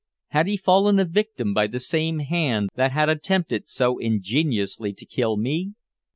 Had he fallen a victim by the same hand that had attempted so ingeniously to kill me?